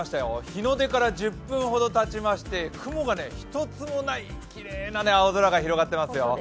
日の出から１０分ほどたちまして雲が一つもない、きれいな青空が広がってますよ。